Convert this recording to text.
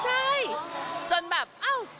ใช่จนแบบเอ้า